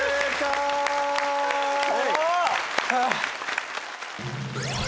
お！